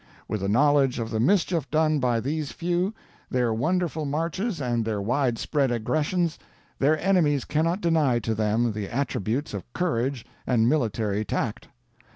With a knowledge of the mischief done by these few, their wonderful marches and their widespread aggressions, their enemies cannot deny to them the attributes of courage and military tact.